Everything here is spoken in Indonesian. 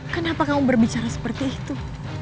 kenapa kamu berbicara seperti itu